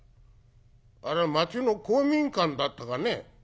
あれは町の公民館だったかね」。